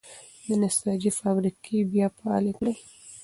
د نساجۍ فابریکې بیا فعالې کړئ.